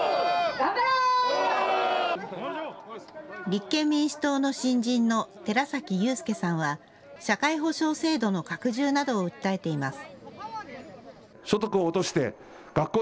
立憲民主党の新人の寺崎雄介さんは社会保障制度の拡充などを訴えています。